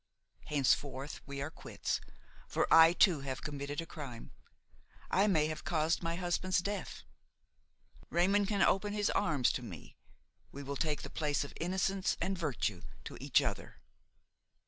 Henceforth we are quits, for I too have committed a crime. I may have caused my husband's death. Raymon can open his arms to me, we will take the place of innocence and virtue to each other."